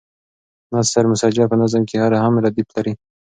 نثر مسجع په نظم کې هم ردیف لري.